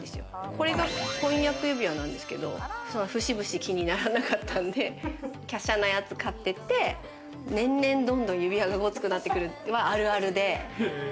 これが婚約指輪なんですけど、節々気にならなかったんで華奢なやつを買ってて年々どんどん指輪がゴツくなってくるのは、あるあるで。